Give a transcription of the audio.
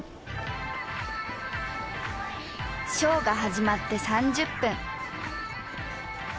ショーが始まって３０分。